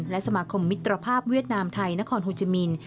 และสมาคมมิตรภาพเวียดนามไทยนครโฮจิมิน